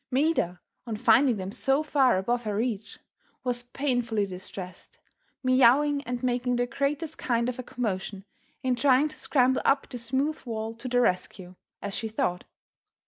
Maida, on finding them so far above her reach, was painfully distressed, meowing and making the greatest kind of a commotion in trying to scramble up the smooth wall to their rescue, as she thought.